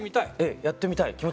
やってみたい？